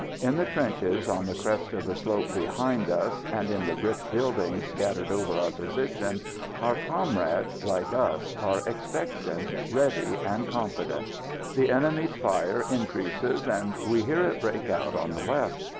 In the trenches on the crest of the slope behind us, and in the brick buildings scattered over our position, our comrades, like us, are expectant, ready and confident. The enemy's fire increases, and we hear it break out on the left.